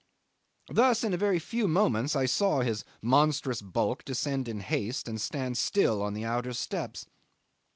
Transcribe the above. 'Thus in a very few moments I saw his monstrous bulk descend in haste and stand still on the outer steps.